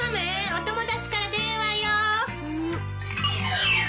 お友達から電話よ。